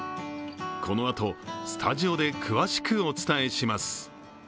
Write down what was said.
このあとスタジオで詳しくお伝えします。